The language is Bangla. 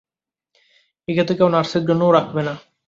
একে তো কেউ নার্সের জন্যেও রাখবে না!